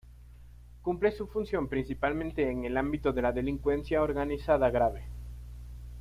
Cumple su función principalmente en el ámbito de la delincuencia organizada grave.